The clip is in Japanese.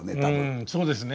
そうですね。